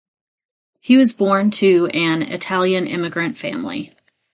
He was born to an Italian immigrant family.